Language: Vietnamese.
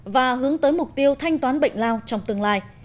và hướng tới mục tiêu thanh toán bệnh lao trong tương lai